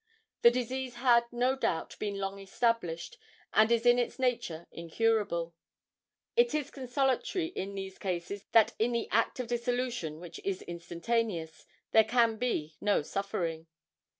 The disease had, no doubt, been 'long established, and is in its nature incurable.' It is 'consolatory in these cases that in the act of dissolution, which is instantaneous, there can be no suffering.'